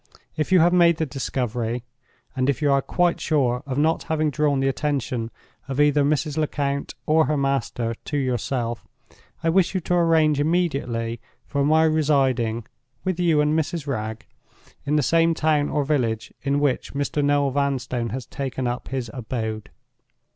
If you have made the discovery—and if you are quite sure of not having drawn the attention either of Mrs. Lecount or her master to yourself—I wish you to arrange immediately for my residing (with you and Mrs. Wragge) in the same town or village in which Mr. Noel Vanstone has taken up his abode.